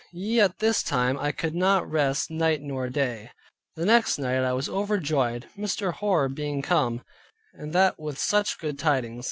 Yea, at this time I could not rest night nor day. The next night I was overjoyed, Mr. Hoar being come, and that with such good tidings.